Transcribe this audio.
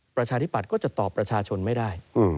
ประชาธิปัตย์ก็จะตอบประชาชนไม่ได้